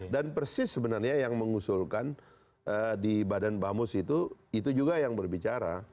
dan persis sebenarnya yang mengusulkan di badan bamus itu itu juga yang berbicara